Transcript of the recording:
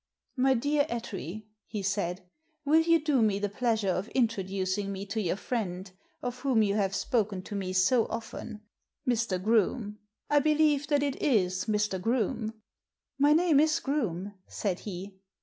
" My dear Attree," he said, " will you do me the pleasure of introducing me to your friend, of whom you have spoken to me so often — Mr. Groome— I believe that it is Mr. Groome?" " My name is Groome," said he.